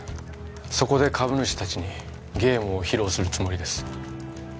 そこで株主たちにゲームを披露するつもりです